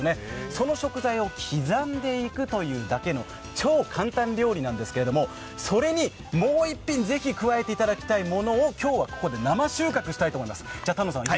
その食材を刻んでいくというだけの超簡単料理なんですけれどもそれにもう１品、ぜひ加えていただきたいものを今日はここで生収穫したいと思います。